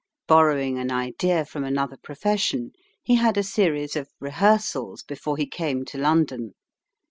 Borrowing an idea from another profession, he had a series of rehearsals before he came to London.